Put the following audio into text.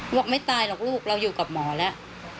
บอกไม่ตายหรอกลูกเราอยู่กับหมอแล้ว